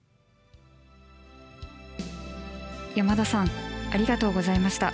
山田さんありがとうございました。